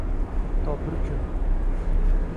Hatto bir kun